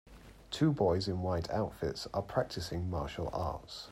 Two boys in white outfits are practicing martial arts.